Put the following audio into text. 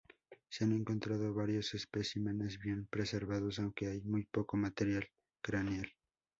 Se han encontrado varios especímenes bien preservados, aunque hay muy poco material craneal.